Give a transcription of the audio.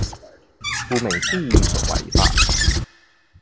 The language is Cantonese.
顧名思義屬違法